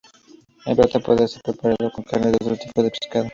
El plato puede ser preparado con carne de otro tipo de pescado.